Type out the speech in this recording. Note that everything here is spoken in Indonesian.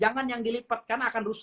jangan yang dilipat karena akan rusak